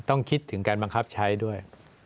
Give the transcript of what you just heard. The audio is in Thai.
ต้องคิดถึงการบังคับใช้ด้วย